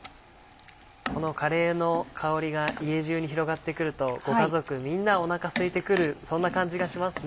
このカレーの香りが家中に広がってくるとご家族みんなお腹すいてくるそんな感じがしますね。